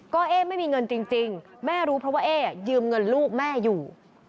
ก็เอ๊ไม่มีเงินจริงแม่รู้เพราะว่าเอ๊ยืมเงินลูกแม่อยู่